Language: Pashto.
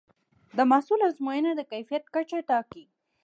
د محصول ازموینه د کیفیت کچه ټاکي.